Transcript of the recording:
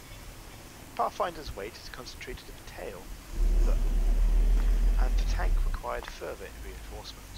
Pathfinder's weight is concentrated in the tail, though, and the tank required further reinforcements.